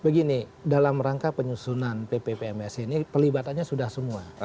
begini dalam rangka penyusunan pppms ini pelibatannya sudah semua